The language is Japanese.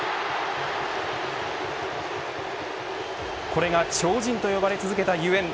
これが超人と呼ばれ続けたゆえん。